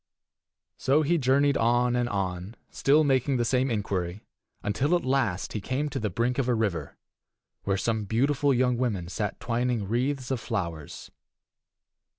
So he journeyed on and on, still making the same inquiry, until at last he came to the brink of a river, where some beautiful young women sat twining wreaths of flowers.